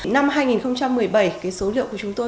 năm hai nghìn một mươi bảy số liệu của chúng tôi